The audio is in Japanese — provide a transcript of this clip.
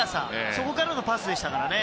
そこからのパスでしたからね。